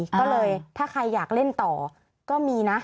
ก็เลยถ้าใครอยากเล่นต่อก็มีนะ